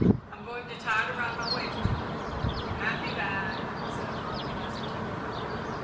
I'm going to tie it around my waist, you know." "Happy bag," said Ronald, as he took it from her.